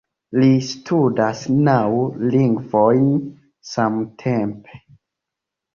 Li studas naŭ lingvojn samtempe